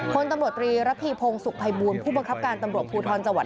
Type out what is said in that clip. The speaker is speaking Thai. คนตำรวจรีรพีพงศ์สุขภัยบูรณ์ผู้บังคับการตำรวจภูทรสวรรค์